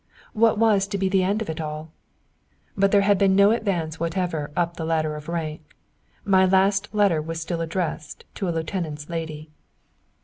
What was to be the end of it all? But there had been no advance whatever up the ladder of rank. My last letter was still addressed to a lieutenant's lady.